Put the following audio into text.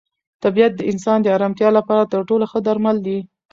طبیعت د انسان د ارامتیا لپاره تر ټولو ښه درمل دی.